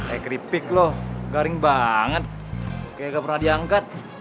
eh keripik loh garing banget kayak gak pernah diangkat